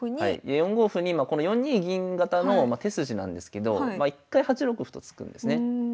４五歩に今この４二銀型の手筋なんですけど一回８六歩と突くんですね。